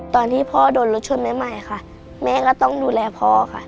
ตอนที่พ่อโดนรถชนใหม่ค่ะแม่ก็ต้องดูแลพ่อค่ะ